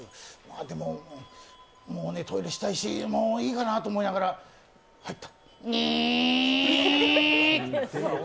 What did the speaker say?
でもトイレしたいし、もういいかなと思いながら入った、ギーーーー。